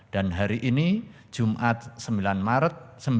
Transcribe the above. dan hari ini jumat sembilan maret